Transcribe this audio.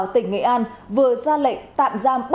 tỉnh nghệ an vừa ra lệnh tạm giam